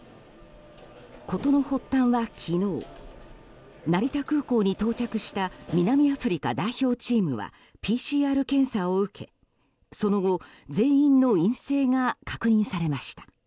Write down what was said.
事の発端は昨日成田空港に到着した南アフリカ代表チームはＰＣＲ検査を受け、その後全員の陰性が確認されました。